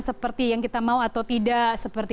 seperti yang kita mau atau tidak seperti